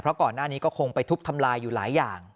เพราะก่อนหน้านี้ก็คงไปทุบทำลายอยู่หลายอย่าง